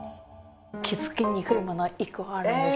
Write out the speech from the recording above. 気付くにくいもの１個あるんです。